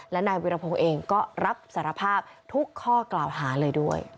และนายวิรพงศ์เองก็รับสารภาพทุกข้อกล่าวหาเลยด้วย